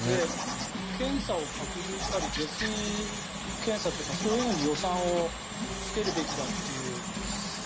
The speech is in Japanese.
検査を拡充したり、下水検査とかそういうのに予算をつけるべきだという。